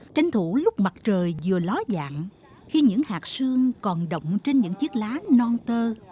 tranh thủ lúc mặt trời vừa ló dạng khi những hạt sương còn động trên những chiếc lá non tơ